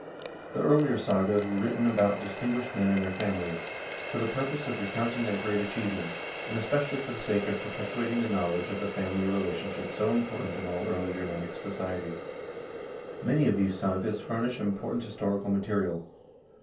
The earlier sagas were written about distinguished men and their families, for the purpose of recounting their great achievements, and especially for the sake of perpetuating the knowledge of the family relationship so important in all early Germanic society. Many of these sagas furnish important historical material.